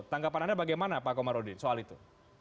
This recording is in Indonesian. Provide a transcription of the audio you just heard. tanggapan anda bagaimana pak komarudin soal itu